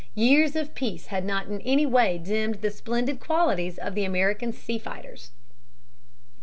Years of peace had not in any way dimmed the splendid qualities of the American sea fighters.